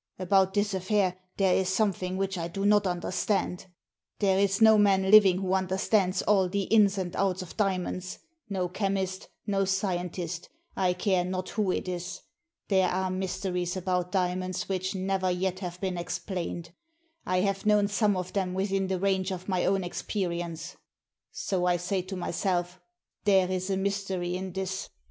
About this affair there is something which I do not understand.' There is no man living who understands all the inns and outs of diamonds — no chemist, no scientist, I care not who it is. There are mysteries about diamonds which never yet have been explained. I have known some of them within the range of my own experience. So I say to myself, * There is a mystery in this.